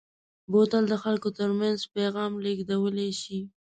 بوتل د خلکو ترمنځ پیغام لېږدولی شي.